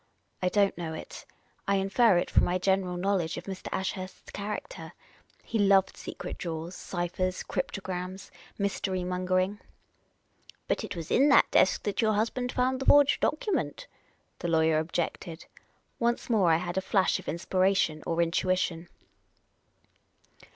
" I don't know it. I infer it from my general knowledge of Mr. Ashurst's character. He loved secret drawers, ciphers, cryptograms, mystery mongering." " But it was in that desk that your husband found the forged document," the lawyer objected. Once more I had a flash of inspiration or intuition.